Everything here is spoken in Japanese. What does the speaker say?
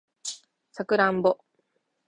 サクランボ